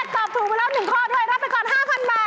คำถามข้อแรกตอบถูกมาแล้ว๑ข้อด้วย